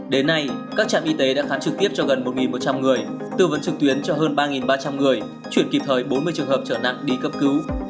đến nay các trạm y tế đã khám trực tiếp cho gần một một trăm linh người tư vấn trực tuyến cho hơn ba ba trăm linh người chuyển kịp thời bốn mươi trường hợp trở nặng đi cấp cứu